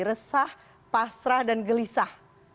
resah pasrah dan gelisah